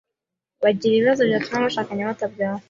bagira ibibazo byatuma abashakanye batabyara